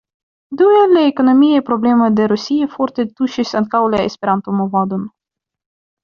Due, la ekonomiaj problemoj de Rusio forte tuŝis ankaŭ la Esperanto-movadon.